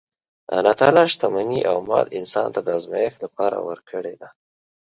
الله تعالی شتمني او مال انسان ته د ازمایښت لپاره ورکړې ده.